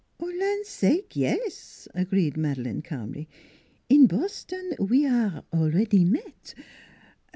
" Land sake yes! " agreed Madeleine calmly. " In Boston we aire already met.